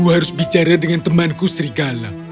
saya harus berbicara dengan temanku serigala